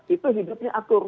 itu hidupnya akur